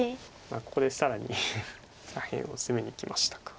ここで更に左辺を攻めにきましたか。